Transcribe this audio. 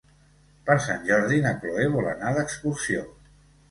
Per Sant Jordi na Cloè vol anar d'excursió.